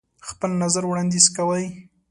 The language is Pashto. خپل نظر وړاندیز کوئ.